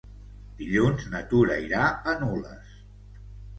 Dilluns na Tura irà a Nules.